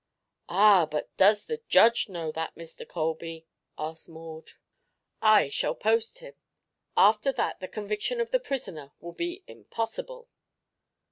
"Ah, but does the judge know that, Mr. Colby?" asked Maud. "I shall post him. After that, the conviction of the prisoner will be impossible."